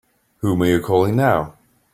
Whom are you calling now?